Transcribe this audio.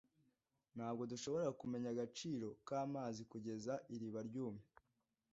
ntabwo dushobora kumenya agaciro k'amazi kugeza iriba ryumye.